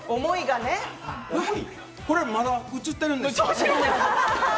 これまだ映ってるんですか？